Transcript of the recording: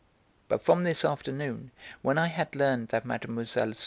But from this afternoon, when I had learned that Mlle.